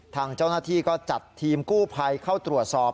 ทางเจ้าหน้าที่ก็จัดทีมกู้ภัยเข้าตรวจสอบ